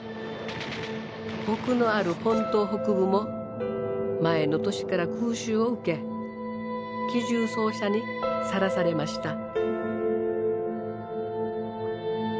奥のある本島北部も前の年から空襲を受け機銃掃射にさらされました。